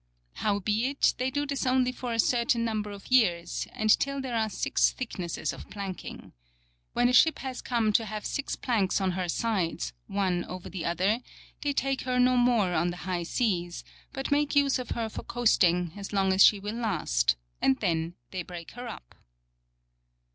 Howbeit, they do this only for a certain number of years, and till there are six thicknesses of planking. When a ship has come to have six planks on her sides, one over the other, they take her no more on the high seas, but make use of her for coasting as long as she will last, and then they break her up.